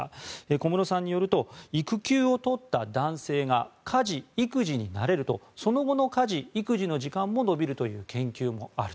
小室さんによると育休を取った男性が家事・育児に慣れるとその後の家事・育児の時間も延びるという研究もある。